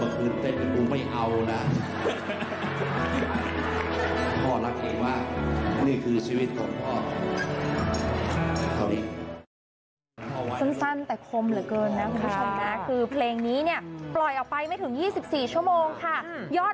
สำหรับละครีมนี้น่ะคุณผู้ชม